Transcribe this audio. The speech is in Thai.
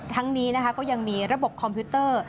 ทั้งนี้นะคะก็ยังมีระบบคอมพิวเตอร์